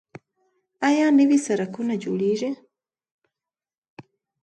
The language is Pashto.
آیا نوي سرکونه جوړیږي؟